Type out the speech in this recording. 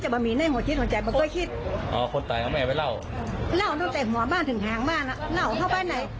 บอกว่าไปสั่งสอนมันไปคู่มันเอา